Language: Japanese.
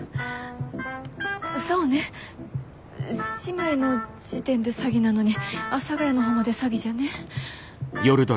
そうね姉妹の時点で詐欺なのに阿佐ヶ谷の方まで詐欺じゃねぇ。